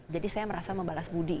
jadi saya merasa membalas budi